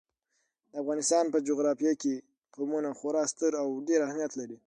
د افغانستان په جغرافیه کې قومونه خورا ستر او ډېر اهمیت لري.